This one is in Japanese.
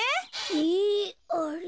えあれ？